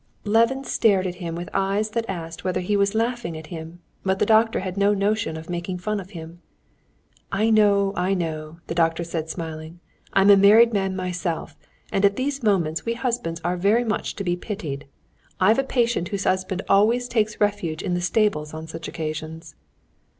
Levin stared at him with eyes that asked whether he was laughing at him; but the doctor had no notion of making fun of him. "I know, I know," the doctor said, smiling; "I'm a married man myself; and at these moments we husbands are very much to be pitied. I've a patient whose husband always takes refuge in the stables on such occasions."